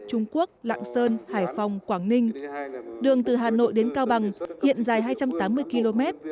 trung quốc lạng sơn hải phòng quảng ninh đường từ hà nội đến cao bằng hiện dài hai trăm tám mươi km